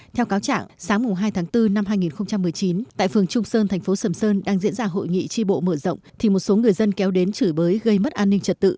theo cáo trạng sáng hai tháng bốn năm hai nghìn một mươi chín tại phường trung sơn thành phố sầm sơn đang diễn ra hội nghị tri bộ mở rộng thì một số người dân kéo đến chửi bới gây mất an ninh trật tự